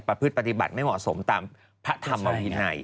พฤติปฏิบัติไม่เหมาะสมตามพระธรรมวินัย